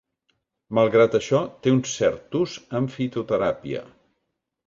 Malgrat això, té un cert ús en fitoteràpia.